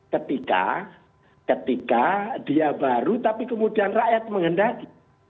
ketika ketika dia baru tapi kemudian rakyat menghendaki